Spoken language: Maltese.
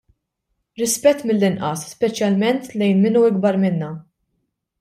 Rispett mill-inqas, speċjalment lejn min hu ikbar minnha.